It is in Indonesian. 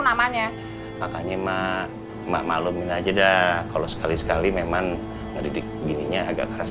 namanya makanya mah mah malumin aja dah kalau sekali sekali memang dari bininya agak keras